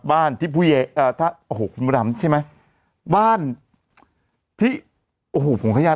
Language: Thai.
บ้านที่คุณพุดลำใช่ไหมบ้านที่โอ้โหผมขยัด